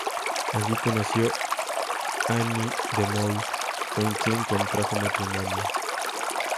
Allí conoció Anne de Mol con quien contrajo matrimonio.